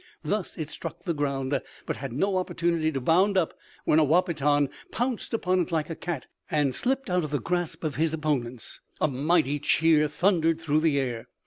Thus it struck the ground, but had no opportunity to bound up when a Wahpeton pounced upon it like a cat and slipped out of the grasp of his opponents. A mighty cheer thundered through the air.